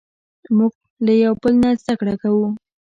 موږ له یو بل نه زدهکړه کوو.